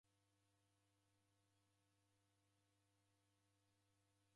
Naturuswa ni ndodo izamie.